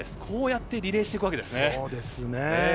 こうやってリレーしていくんですね。